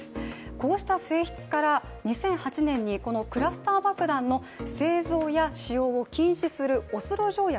こうした性質から２００８年にクラスター爆弾の製造や使用を禁止するオスロ条約